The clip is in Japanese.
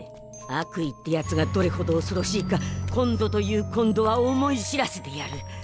悪意ってやつがどれほどおそろしいか今度という今度は思い知らせてやる！